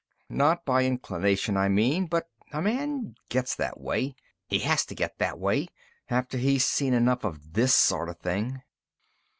"Not by inclination, I mean. But a man gets that way he has to get that way after he's seen enough of this sort of thing.